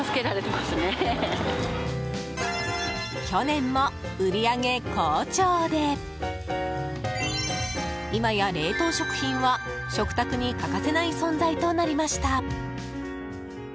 去年も売り上げ好調で今や、冷凍食品は食卓に欠かせない存在となりました。